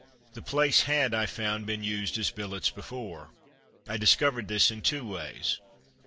The place had, I found, been used as billets before. I discovered this in two ways.